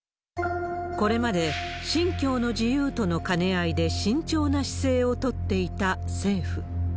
これまで、信教の自由との兼ね合いで慎重な姿勢を取っていた政府。